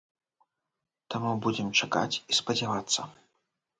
Таму будзем чакаць і спадзявацца.